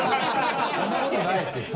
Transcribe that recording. そんな事ないですよ。